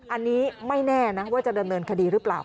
อันนี้ไม่แน่นะว่าจะดำเนินคดีหรือเปล่า